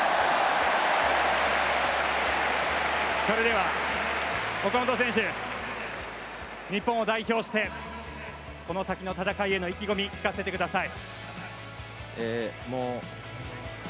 それでは、岡本選手、日本を代表してこの先の戦いへの意気込み、聞かせてください。